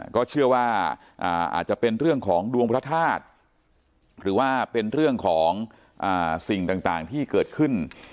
ก็เชื่อว่าอาจจะเป็นเรื่องของดวงพระธาตุหรือว่าเป็นเรื่องของสิ่งต่างที่เกิดขึ้น